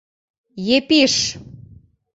Епиш.